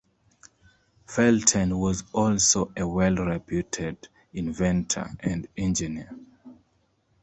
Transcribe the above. Felten was also a well-reputed inventor and engineer.